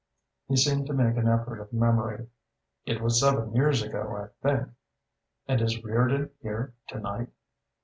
He seemed to make an effort of memory. "It was seven years ago, I think." "And is Reardon here to night?"